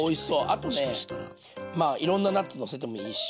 あとねいろんなナッツのせてもいいし。